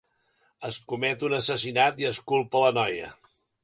Es comet un assassinat i es culpa la noia.